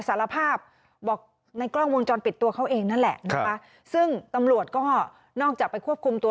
สารภาพบอกในกล้องวงจรปิดตัวเขาเองนั่นแหละนะคะซึ่งตำรวจก็นอกจากไปควบคุมตัว